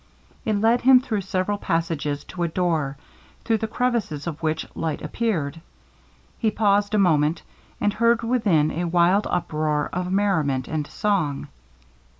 It led him through several passages to a door, through the crevices of which light appeared. He paused a moment, and heard within a wild uproar of merriment and song.